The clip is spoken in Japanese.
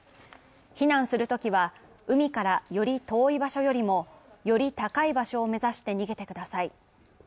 避難するときは、海から、より遠い場所よりもより高い場所を目指して逃げてください。